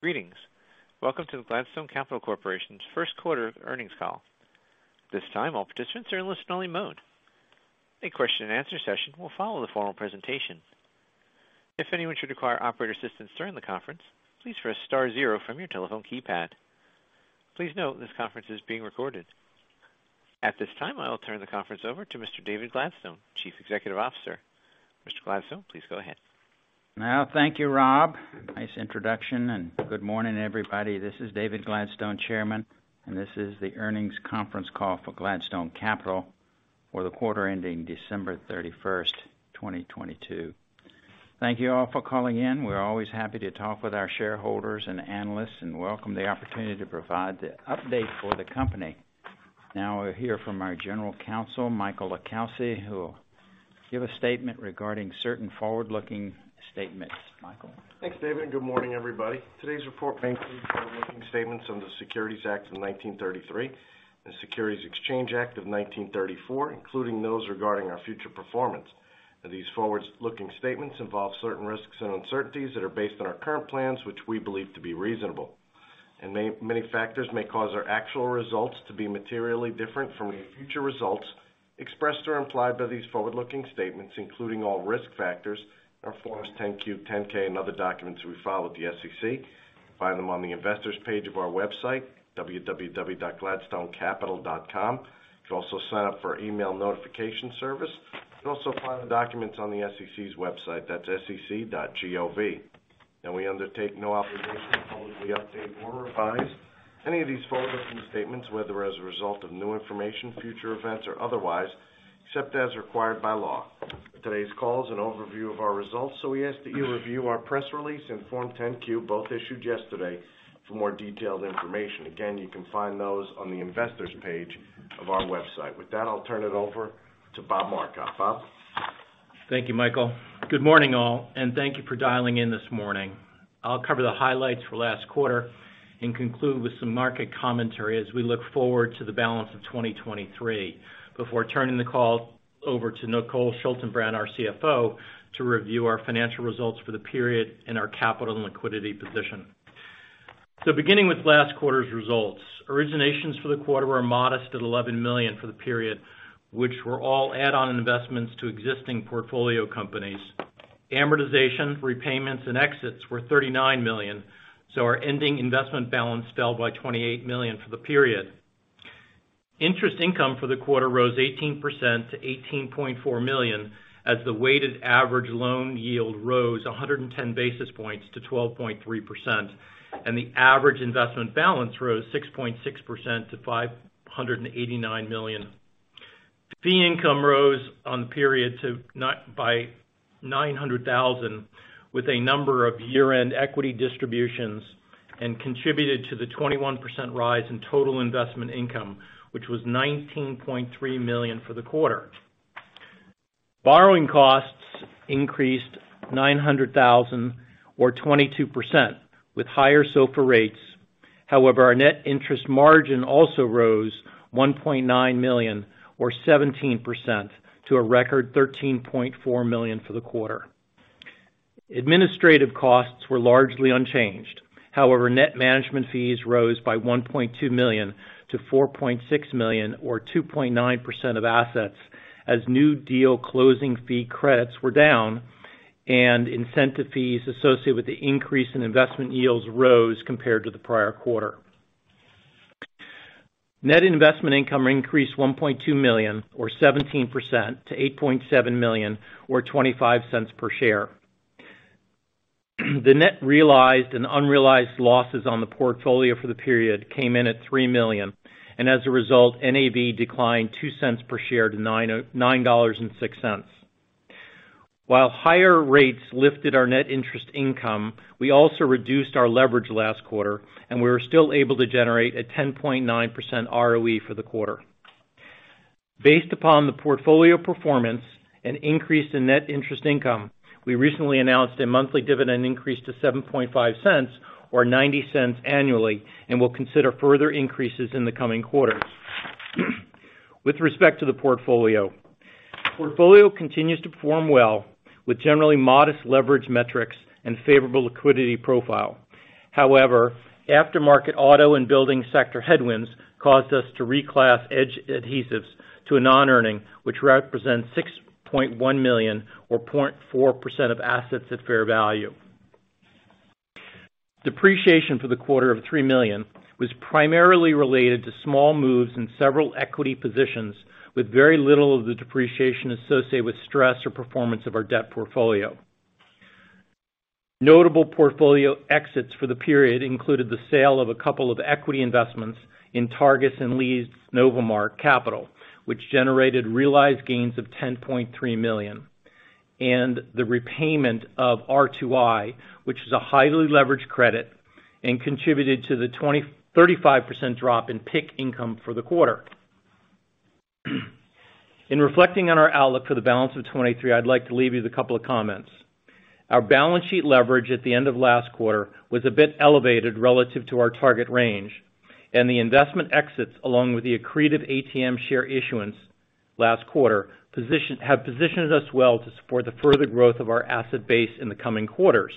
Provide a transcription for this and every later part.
Greetings. Welcome to the Gladstone Capital Corporation's first quarter earnings call. This time, all participants are in listen-only mode. A question-and-answer session will follow the formal presentation. If anyone should require operator assistance during the conference, please press star zero from your telephone keypad. Please note this conference is being recorded. At this time, I will turn the conference over to Mr. David Gladstone, Chief Executive Officer. Mr. Gladstone, please go ahead. Thank you, Rob. Nice introduction and good morning, everybody. This is David Gladstone, Chairman, and this is the earnings conference call for Gladstone Capital for the quarter ending December 31st, 2022. Thank you all for calling in. We're always happy to talk with our shareholders and analysts and welcome the opportunity to provide the update for the company. We'll hear from our General Counsel, Michael LiCalsi, who will give a statement regarding certain forward-looking statements. Michael? Thanks, David. Good morning, everybody. Today's report may contain forward-looking statements on the Securities Act of 1933 and Securities Exchange Act of 1934, including those regarding our future performance. These forward-looking statements involve certain risks and uncertainties that are based on our current plans, which we believe to be reasonable. Many factors may cause our actual results to be materially different from any future results expressed or implied by these forward-looking statements, including all risk factors in our Forms 10-Q, 10-K and other documents we file with the SEC. Find them on the investors page of our website, www.gladstonecapital.com. You can also sign up for email notification service. You can also find the documents on the SEC's website, that's sec.gov. Now, we undertake no obligation to publicly update or revise any of these forward-looking statements, whether as a result of new information, future events or otherwise, except as required by law. Today's call is an overview of our results, so we ask that you review our press release and Form 10-Q, both issued yesterday, for more detailed information. Again, you can find those on the investors page of our website. With that, I'll turn it over to Bob Marcotte. Bob? Thank you, Michael. Good morning, all, and thank you for dialing in this morning. I'll cover the highlights for last quarter and conclude with some market commentary as we look forward to the balance of 2023, before turning the call over to Nicole Schaltenbrand, our CFO, to review our financial results for the period and our capital and liquidity position. Beginning with last quarter's results, originations for the quarter were modest at $11 million for the period, which were all add-on investments to existing portfolio companies. Amortization, repayments, and exits were $39 million, so our ending investment balance fell by $28 million for the period. Interest income for the quarter rose 18% to $18.4 million, as the weighted average loan yield rose 110 basis points to 12.3%. The average investment balance rose 6.6% to $589 million. Fee income rose on the period by $900,000, with a number of year-end equity distributions, and contributed to the 21% rise in total investment income, which was $19.3 million for the quarter. Borrowing costs increased $900,000 or 22% with higher SOFR rates. However, our net interest margin also rose $1.9 million or 17% to a record $13.4 million for the quarter. Administrative costs were largely unchanged. However, net management fees rose by $1.2 million-$4.6 million or 2.9% of assets, as new deal closing fee credits were down and incentive fees associated with the increase in investment yields rose compared to the prior quarter. Net investment income increased $1.2 million or 17% to $8.7 million or $0.25 per share. The net realized and unrealized losses on the portfolio for the period came in at $3 million. As a result, NAV declined $0.02 per share to $9.06. While higher rates lifted our net interest income, we also reduced our leverage last quarter, and we were still able to generate a 10.9% ROE for the quarter. Based upon the portfolio performance and increase in net interest income, we recently announced a monthly dividend increase to $0.075 or $0.90 annually and will consider further increases in the coming quarters. With respect to the portfolio continues to perform well with generally modest leverage metrics and favorable liquidity profile. After market auto and building sector headwinds caused us to reclass Edge Adhesives to a non-earning, which represents $6.1 million or 0.4% of assets at fair value. Depreciation for the quarter of $3 million was primarily related to small moves in several equity positions, with very little of the depreciation associated with stress or performance of our debt portfolio. Notable portfolio exits for the period included the sale of a couple of equity investments in Targus and Leeds Novamark Capital, which generated realized gains of $10.3 million. The repayment of R2I, which is a highly leveraged credit and contributed to the 35% drop in PIK income for the quarter. In reflecting on our outlook for the balance of 2023, I'd like to leave you with a couple of comments. Our balance sheet leverage at the end of last quarter was a bit elevated relative to our target range, and the investment exits, along with the accretive ATM share issuance. Last quarter, have positioned us well to support the further growth of our asset base in the coming quarters.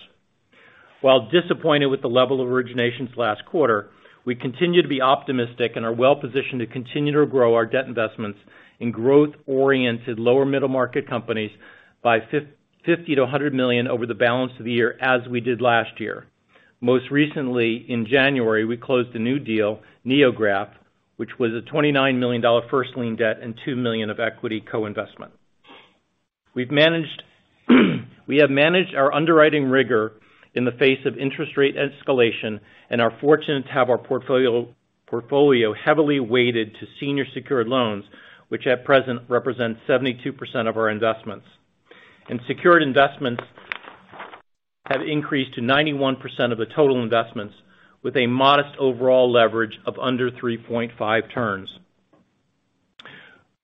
While disappointed with the level of originations last quarter, we continue to be optimistic and are well-positioned to continue to grow our debt investments in growth-oriented lower middle-market companies by $50 million-$100 million over the balance of the year as we did last year. Most recently, in January, we closed a new deal, NeoGraf, which was a $29 million first lien debt and $2 million of equity co-investment. We have managed our underwriting rigor in the face of interest rate escalation and are fortunate to have our portfolio heavily weighted to senior secured loans, which at present represent 72% of our investments. Secured investments have increased to 91% of the total investments, with a modest overall leverage of under 3.5 turns.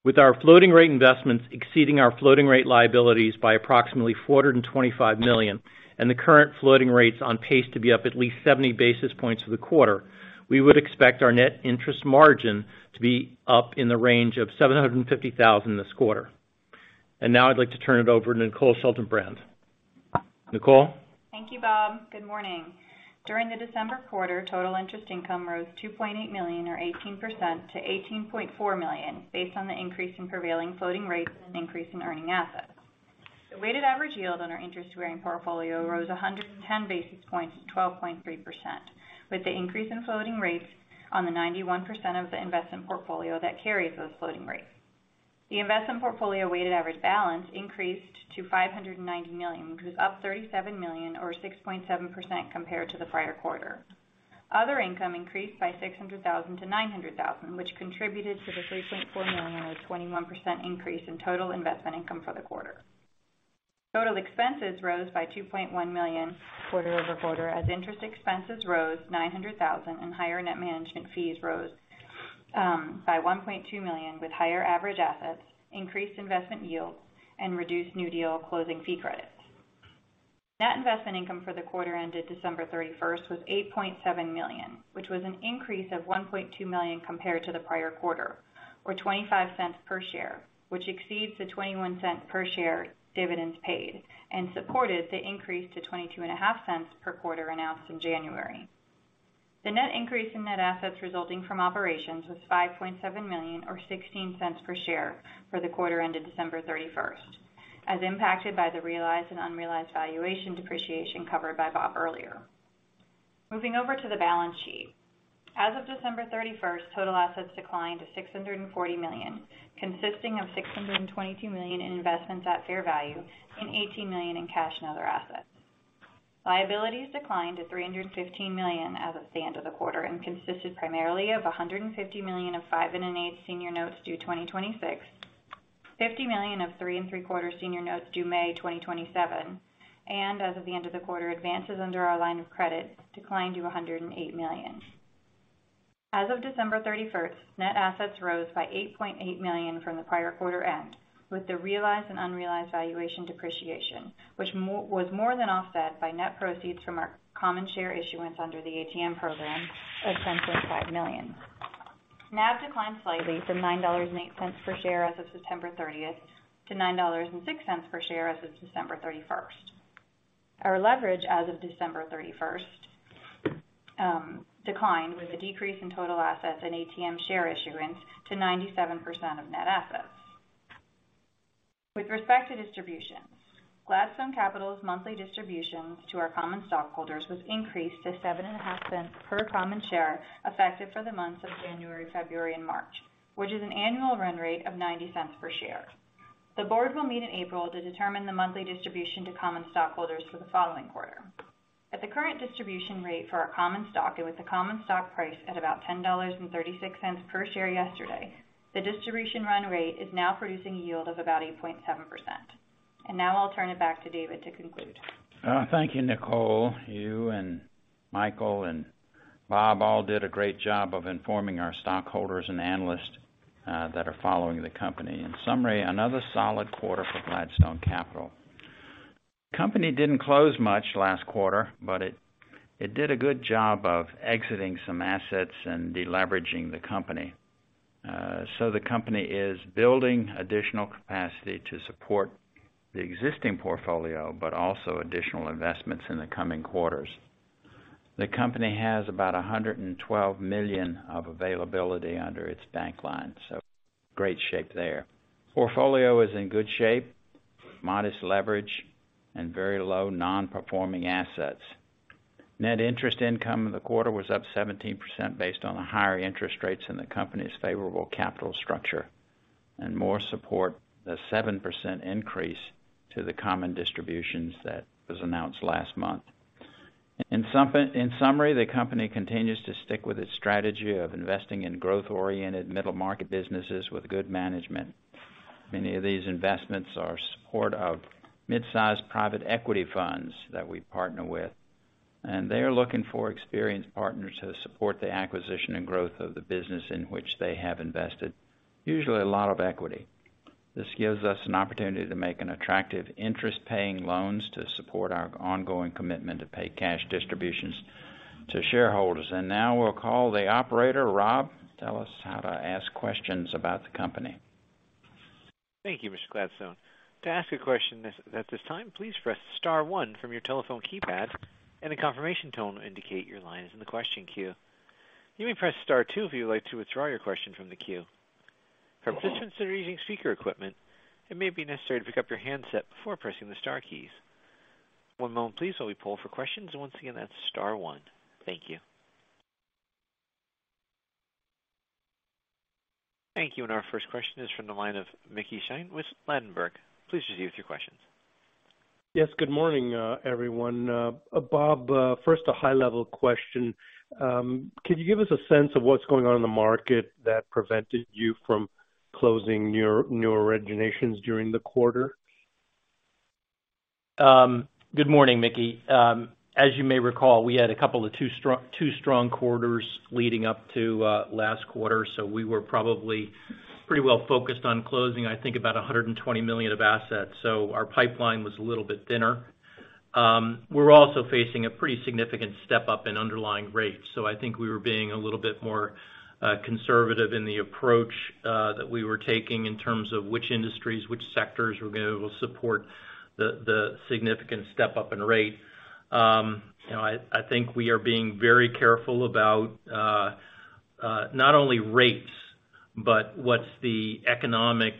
With our floating rate investments exceeding our floating rate liabilities by approximately $425 million and the current floating rates on pace to be up at least 70 basis points for the quarter, we would expect our net interest margin to be up in the range of $750,000 this quarter. Now I'd like to turn it over to Nicole Schaltenbrand. Nicole? Thank you, Bob. Good morning. During the December quarter, total interest income rose $2.8 million or 18% to $18.4 million based on the increase in prevailing floating rates and increase in earning assets. The weighted average yield on our interest-bearing portfolio rose 110 basis points to 12.3%, with the increase in floating rates on the 91% of the investment portfolio that carries those floating rates. The investment portfolio weighted average balance increased to $590 million, which was up $37 million or 6.7% compared to the prior quarter. Other income increased by $600,000-$900,000, which contributed to the $3.4 million or 21% increase in total investment income for the quarter. Total expenses rose by $2.1 million quarter-over-quarter as interest expenses rose $900,000 and higher net management fees rose by $1.2 million, with higher average assets, increased investment yields, and reduced new deal closing fee credits. Net investment income for the quarter ended December 31st was $8.7 million, which was an increase of $1.2 million compared to the prior quarter or $0.25 per share, which exceeds the $0.21 per share dividends paid and supported the increase to $0.225 Per quarter announced in January. The net increase in net assets resulting from operations was $5.7 million or $0.16 per share for the quarter ended December 31st, as impacted by the realized and unrealized valuation depreciation covered by Bob earlier. Moving over to the balance sheet. As of December 31st, total assets declined to $640 million, consisting of $622 million in investments at fair value and $18 million in cash and other assets. Liabilities declined to $315 million as of the end of the quarter and consisted primarily of $150 million of 5.125% Senior Notes due 2026, $50 million of 3.75% Senior Notes due May 2027. As of the end of the quarter, advances under our line of credit declined to $108 million. As of December 31st, net assets rose by $8.8 million from the prior quarter end with the realized and unrealized valuation depreciation, which was more than offset by net proceeds from our common share issuance under the ATM program of $10.5 million. NAV declined slightly from $9.08 per share as of September 30th to $9.06 per share as of December 31st. Our leverage as of December 31st declined with a decrease in total assets and ATM share issuance to 97% of net assets. With respect to distributions, Gladstone Capital's monthly distributions to our common stockholders was increased to seven and a half cents per common share effective for the months of January, February, and March, which is an annual run rate of $0.90 per share. The board will meet in April to determine the monthly distribution to common stockholders for the following quarter. At the current distribution rate for our common stock and with the common stock price at about $10.36 per share yesterday, the distribution run rate is now producing a yield of about 8.7%. Now I'll turn it back to David to conclude. Thank you, Nicole. You and Michael and Bob all did a great job of informing our stockholders and analysts that are following the company. In summary, another solid quarter for Gladstone Capital. Company didn't close much last quarter, but it did a good job of exiting some assets and de-leveraging the company. The company is building additional capacity to support the existing portfolio, but also additional investments in the coming quarters. The company has about $112 million of availability under its bank line, great shape there. Portfolio is in good shape, modest leverage, and very low non-performing assets. Net interest income in the quarter was up 17% based on the higher interest rates in the company's favorable capital structure and more support, the 7% increase to the common distributions that was announced last month. In summary, the company continues to stick with its strategy of investing in growth-oriented middle-market businesses with good management. Many of these investments are support of midsize private equity funds that we partner with, and they're looking for experienced partners to support the acquisition and growth of the business in which they have invested. Usually a lot of equity. This gives us an opportunity to make an attractive interest-paying loans to support our ongoing commitment to pay cash distributions. To shareholders. Now we'll call the operator. Rob, tell us how to ask questions about the company. Thank you, Mr. Gladstone. To ask a question at this time, please press star one from your telephone keypad and a confirmation tone will indicate your line is in the question queue. You may press star two if you would like to withdraw your question from the queue. Participants that are using speaker equipment, it may be necessary to pick up your handset before pressing the star keys. One moment please, while we poll for questions. Once again, that's star one. Thank you. Thank you. Our first question is from the line of Mickey Schleien with Ladenburg. Please proceed with your questions. Good morning, everyone. Bob, first a high level question. Could you give us a sense of what's going on in the market that prevented you from closing your new originations during the quarter? Good morning, Mickey. As you may recall, we had a couple of two strong quarters leading up to last quarter. We were probably pretty well focused on closing, I think, about $120 million of assets. Our pipeline was a little bit thinner. We're also facing a pretty significant step up in underlying rates. I think we were being a little bit more conservative in the approach that we were taking in terms of which industries, which sectors were gonna be able to support the significant step up in rate. You know, I think we are being very careful about not only rates, but what's the economic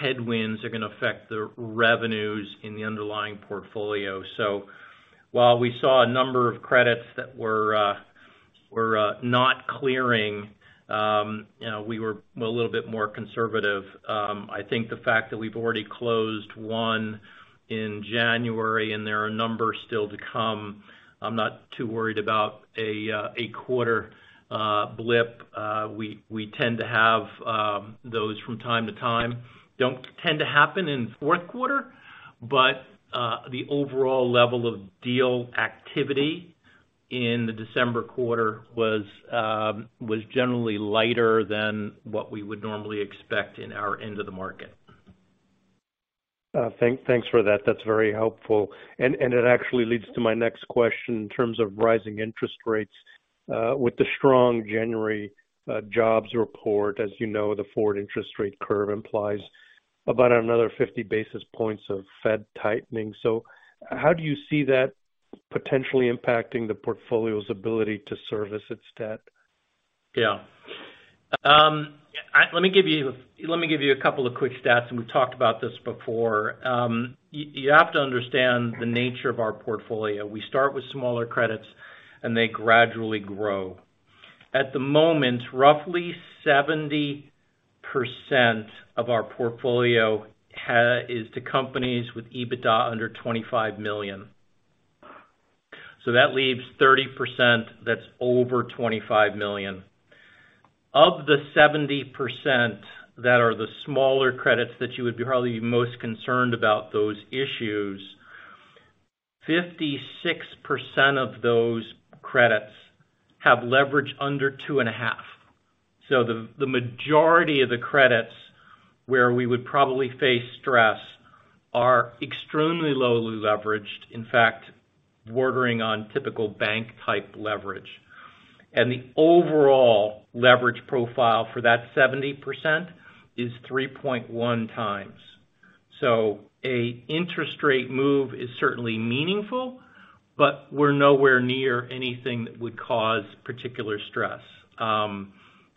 headwinds are gonna affect the revenues in the underlying portfolio. While we saw a number of credits that were not clearing, you know, we were a little bit more conservative. I think the fact that we've already closed one in January, and there are a number still to come. I'm not too worried about a quarter blip. We tend to have those from time to time. Don't tend to happen in fourth quarter, but the overall level of deal activity in the December quarter was generally lighter than what we would normally expect in our end of the market. Thanks for that. That's very helpful. It actually leads to my next question in terms of rising interest rates. With the strong January jobs report, as you know, the forward interest rate curve implies about another 50 basis points of Fed tightening. How do you see that potentially impacting the portfolio's ability to service its debt? Yeah. Let me give you a couple of quick stats, and we've talked about this before. You have to understand the nature of our portfolio. We start with smaller credits, and they gradually grow. At the moment, roughly 70% of our portfolio is to companies with EBITDA under $25 million. That leaves 30% that's over $25 million. Of the 70% that are the smaller credits that you would be probably most concerned about those issues, 56% of those credits have leverage under 2.5. The majority of the credits where we would probably face stress are extremely lowly leveraged, in fact, bordering on typical bank-type leverage. The overall leverage profile for that 70% is 3.1x A interest rate move is certainly meaningful, but we're nowhere near anything that would cause particular stress.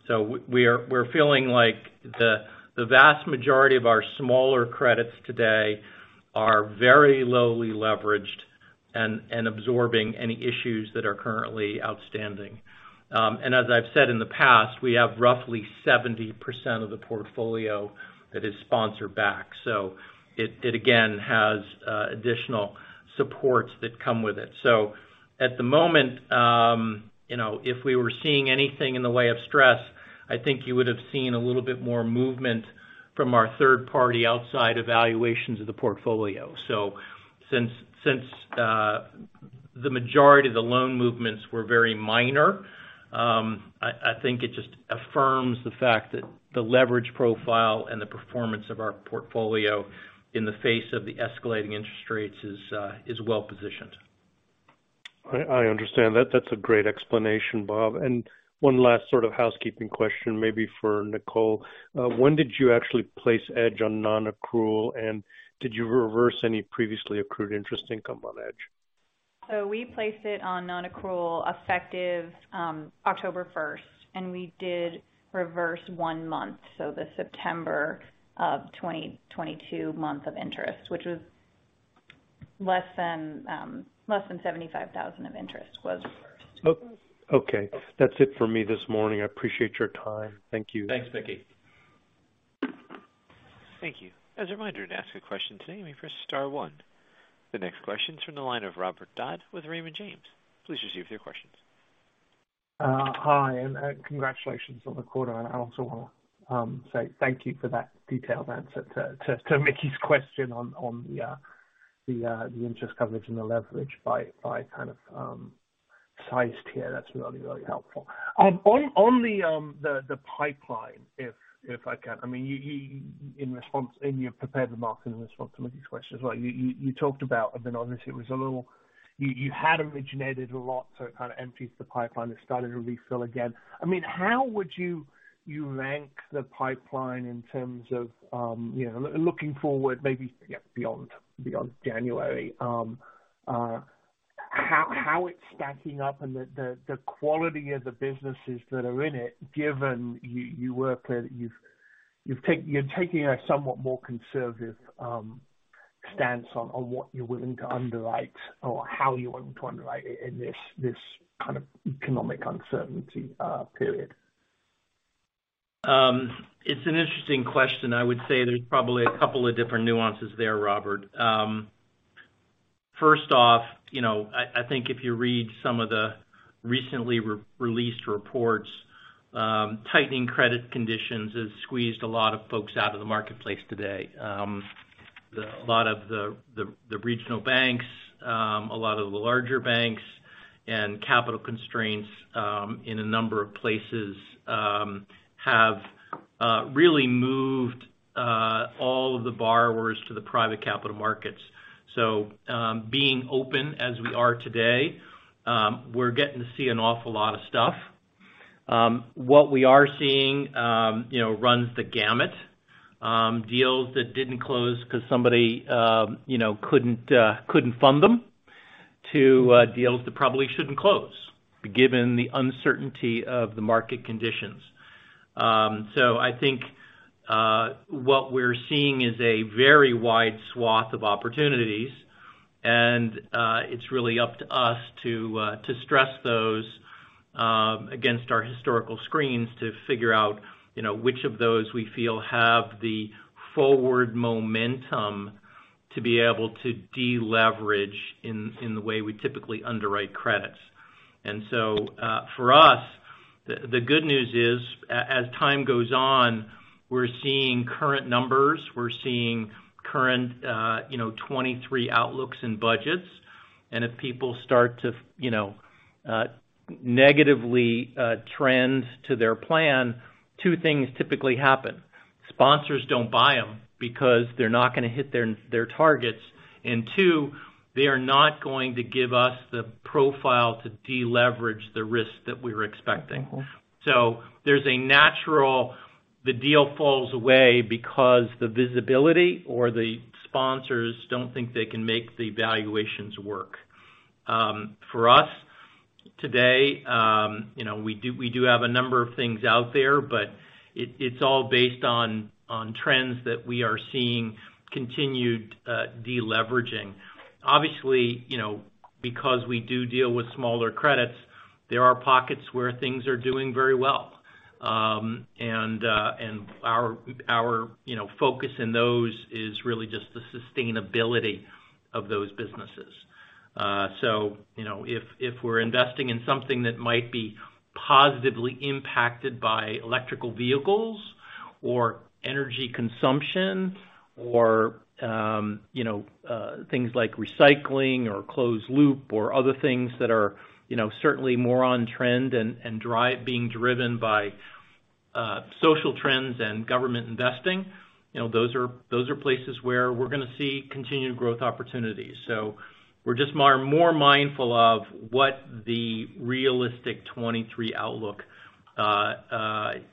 We're feeling like the vast majority of our smaller credits today are very lowly leveraged and absorbing any issues that are currently outstanding. And as I've said in the past, we have roughly 70% of the portfolio that is sponsored back, so it again has additional supports that come with it. At the moment, you know, if we were seeing anything in the way of stress, I think you would have seen a little bit more movement from our third party outside evaluations of the portfolio. Since the majority of the loan movements were very minor, I think it just affirms the fact that the leverage profile and the performance of our portfolio in the face of the escalating interest rates is well positioned. I understand. That's a great explanation, Bob. One last sort of housekeeping question, maybe for Nicole. When did you actually place Edge on non-accrual, and did you reverse any previously accrued interest income on Edge? We placed it on non-accrual effective, October first, and we did reverse one month. The September of 2022 month of interest, which was less than $75,000 of interest was reversed. Okay. That's it for me this morning. I appreciate your time. Thank you. Thanks, Mickey. Thank you. As a reminder, to ask a question today, you may press star one. The next question is from the line of Robert Dodd with Raymond James. Please proceed with your questions. Hi, and congratulations on the quarter. I also wanna say thank you for that detailed answer to Mickey's question on the interest coverage and the leverage by kind of size tier. That's really, really helpful. On the pipeline, if I can. Like, you talked about, obviously it was a little... You had originated a lot, so it kind of emptied the pipeline. It started to refill again. How would you rank the pipeline in terms of, you know, looking forward, maybe, yeah, beyond January? how it's stacking up and the quality of the businesses that are in it, given you work there, you're taking a somewhat more conservative stance on what you're willing to underwrite or how you're willing to underwrite in this kind of economic uncertainty period. It's an interesting question. I would say there's probably a couple of different nuances there, Robert. First off, you know, I think if you read some of the recently re-released reports, tightening credit conditions has squeezed a lot of folks out of the marketplace today. A lot of the regional banks, a lot of the larger banks and capital constraints, in a number of places, have really moved all of the borrowers to the private capital markets. Being open as we are today, we're getting to see an awful lot of stuff. What we are seeing, you know, runs the gamut, deals that didn't close because somebody, you know, couldn't fund them to deals that probably shouldn't close given the uncertainty of the market conditions. I think what we're seeing is a very wide swath of opportunities. It's really up to us to stress those against our historical screens to figure out, you know, which of those we feel have the forward momentum to be able to deleverage in the way we typically underwrite credits. For us, the good news is as time goes on, we're seeing current numbers. We're seeing current, you know, 23 outlooks and budgets. If people start to, you know, negatively trend to their plan, two things typically happen. Sponsors don't buy them because they're not gonna hit their targets. Two, they are not going to give us the profile to deleverage the risk that we were expecting. Mm-hmm. There's a natural... The deal falls away because the visibility or the sponsors don't think they can make the valuations work. For us today, you know, we do have a number of things out there, but it's all based on trends that we are seeing continued deleveraging. Obviously, you know, because we do deal with smaller credits, there are pockets where things are doing very well. And our, you know, focus in those is really just the sustainability of those businesses. You know, if we're investing in something that might be positively impacted by electrical vehicles or energy consumption or, you know, things like recycling or closed loop or other things that are, you know, certainly more on trend and being driven by social trends and government investing, you know, those are, those are places where we're gonna see continued growth opportunities. We're just more mindful of what the realistic 23 outlook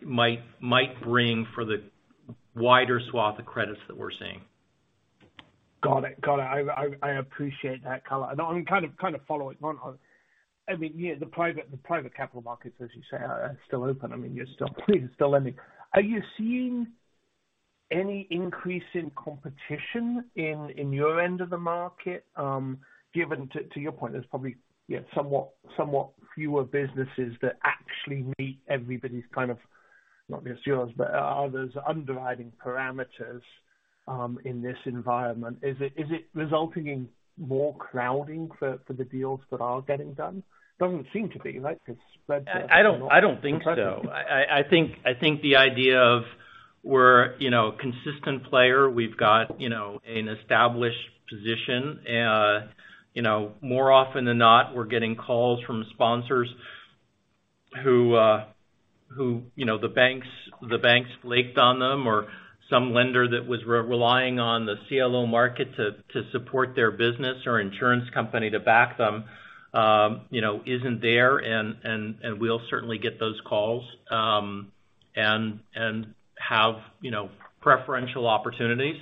might bring for the wider swath of credits that we're seeing. Got it. I appreciate that color. I'm kind of following on. I mean, the private capital markets, as you say, are still open. I mean, you're still lending. Are you seeing any increase in competition in your end of the market, given to your point, there's probably somewhat fewer businesses that actually meet everybody's kind of, not necessarily yours, but others' underwriting parameters, in this environment. Is it resulting in more crowding for the deals that are getting done? Doesn't seem to be, right? It's spread thin. I don't think so. I think the idea of we're, you know, a consistent player. We've got, you know, an established position. you know, more often than not, we're getting calls from sponsors who, you know, the banks flaked on them or some lender that was relying on the CLO market to support their business or insurance company to back them, you know, isn't there and we'll certainly get those calls and have, you know, preferential opportunities.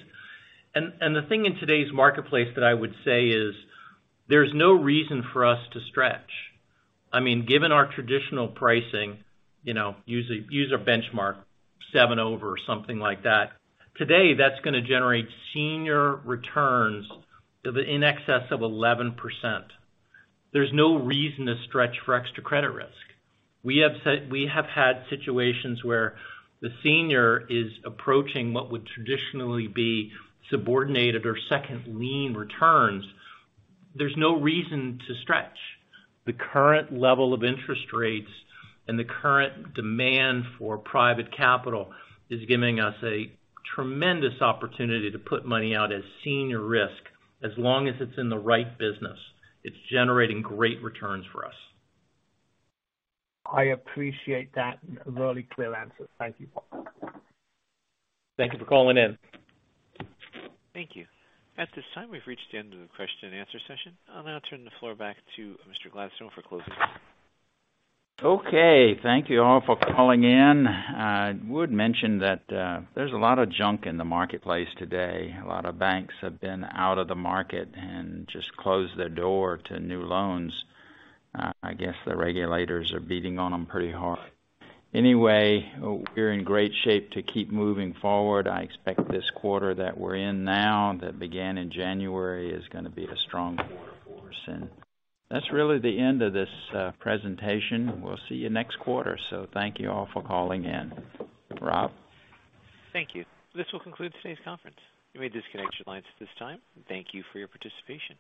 The thing in today's marketplace that I would say is there's no reason for us to stretch. I mean, given our traditional pricing, you know, use a benchmark 7 over or something like that. Today, that's gonna generate senior returns in excess of 11%. There's no reason to stretch for extra credit risk. We have had situations where the senior is approaching what would traditionally be subordinated or second lien returns. There's no reason to stretch. The current level of interest rates and the current demand for private capital is giving us a tremendous opportunity to put money out as senior risk. As long as it's in the right business, it's generating great returns for us. I appreciate that. Really clear answer. Thank you. Thank you for calling in. Thank you. At this time, we've reached the end of the question and answer session. I'll now turn the floor back to Mr. Gladstone for closing. Okay. Thank you all for calling in. I would mention that there's a lot of junk in the marketplace today. A lot of banks have been out of the market and just closed their door to new loans. I guess the regulators are beating on them pretty hard. Anyway, we're in great shape to keep moving forward. I expect this quarter that we're in now, that began in January, is gonna be a strong quarter for us. That's really the end of this presentation. We'll see you next quarter. Thank you all for calling in. Rob. Thank you. This will conclude today's conference. You may disconnect your lines at this time. Thank you for your participation.